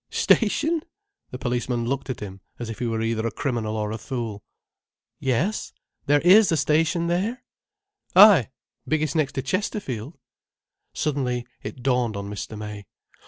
"Station!" The policeman looked at him as if he were either a criminal or a fool. "Yes. There is a station there?" "Ay—biggest next to Chesterfield—" Suddenly it dawned on Mr. May.